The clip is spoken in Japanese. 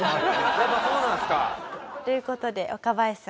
やっぱそうなんですか。という事で若林さん